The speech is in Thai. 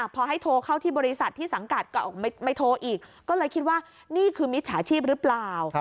พอให้โทรเข้าที่บริษัทที่สังกัดก็ไม่โทรอีกก็เลยคิดว่านี่คือมิจฉาชีพหรือเปล่า